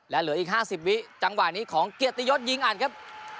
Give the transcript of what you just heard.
และเหลืออีก๕๐วิจังหวะนี้ของเกียรติยศยิงอัดครับ